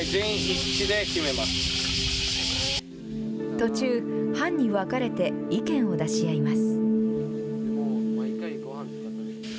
途中、班に分かれて意見を出し合います。